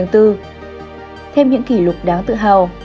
thêm những kỷ lục đáng tự hào